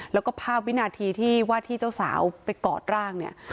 แล้วก็ภาพวินาทีที่ว่าที่เจ้าสาวไปกอดร่างเนี่ย